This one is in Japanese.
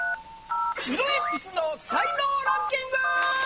色鉛筆の才能ランキング！